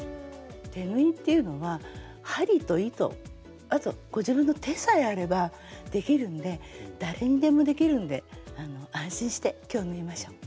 手縫いっていうのは針と糸あとご自分の手さえあればできるんで誰にでもできるんで安心して今日縫いましょう。